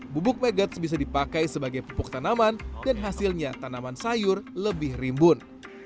bubuk megats bisa dipakai sebagai pupuk tanaman dan hasilnya tanaman sayur lebih rimbun